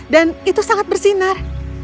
dan itu sangat bersinar